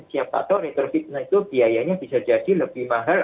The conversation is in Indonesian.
siapa tahu retrofit itu biayanya bisa jadi lebih mahal